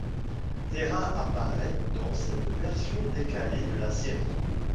Terra apparaît dans cette version décalée de la série.